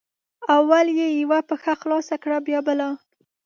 اول یې یوه پښه خلاصه کړه بیا بله